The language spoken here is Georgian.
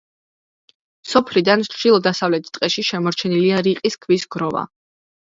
სოფლიდან ჩრდილო-დასავლეთით ტყეში შემორჩენილია რიყის ქვის გროვა.